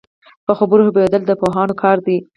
په خبرو پوهېدل د پوهانو کار دی